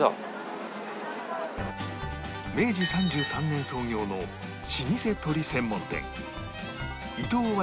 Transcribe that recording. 明治３３年創業の老舗鶏専門店伊藤和